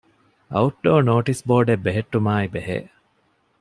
އައުޓްޑޯ ނޯޓިސް ބޯޑެއް ބެހެއްޓުމާއި ބެހޭ